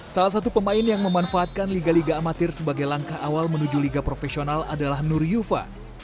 salah satu pemain yang memanfaatkan liga liga amatir sebagai langkah awal menuju liga profesional adalah nur yuva